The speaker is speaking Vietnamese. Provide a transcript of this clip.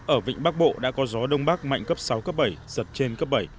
ở vịnh bắc bộ đã có gió đông bắc mạnh cấp sáu cấp bảy giật trên cấp bảy